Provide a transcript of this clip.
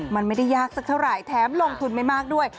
มันไม่ได้ยากสักเท่าไหร่แถมลงทุนไม่มากด้วย